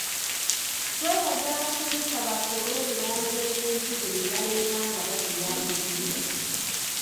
Twebaza abasomesa baffe olw'ebirowoozo eby'enkizo bye baleeta nga batuyamba okuyiga.